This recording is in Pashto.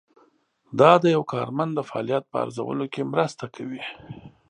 دا د یو کارمند د فعالیت په ارزولو کې مرسته کوي.